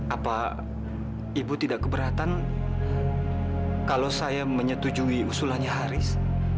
apa ibu tidak keberatan kalau saya menyetujui usulannya haris